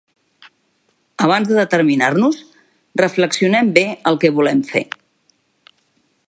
Abans de determinar-nos reflexionem bé el que volem fer.